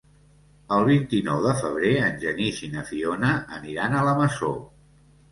El vint-i-nou de febrer en Genís i na Fiona aniran a la Masó.